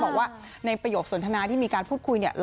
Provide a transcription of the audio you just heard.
บอกว่าในประโยคสนทนาที่มีการพูดคุยเนี่ย